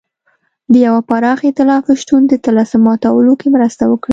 د یوه پراخ اېتلاف شتون د طلسم ماتولو کې مرسته وکړي.